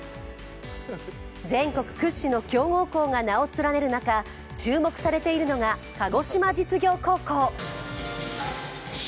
全国屈指の強豪校が名を連ねる中、注目されているのが鹿児島実業高校。